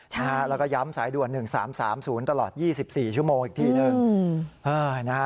แล้วก็ย้ำสายด่วน๑๓๓๐ตลอด๒๔ชั่วโมงอีกทีหนึ่ง